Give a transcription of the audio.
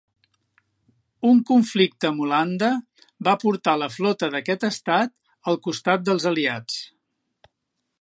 Un conflicte amb Holanda, va portar la flota d'aquest estat al costat dels aliats.